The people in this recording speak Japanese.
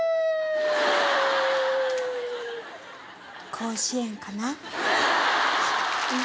甲子園かな？